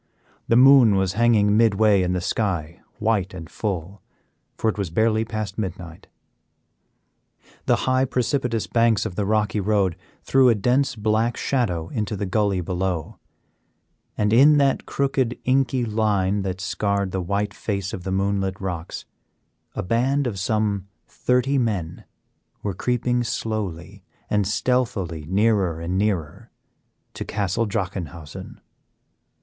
The moon was hanging midway in the sky, white and full, for it was barely past midnight. The high precipitous banks of the rocky road threw a dense black shadow into the gully below, and in that crooked inky line that scarred the white face of the moonlit rocks a band of some thirty men were creeping slowly and stealthily nearer and nearer to Castle Drachenhausen.